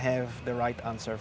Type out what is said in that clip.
bagi beberapa dari mereka